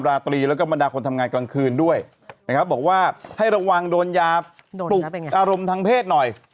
ให้ระวังโดนยาปลุกอารมณ์ทางเพศหน่อย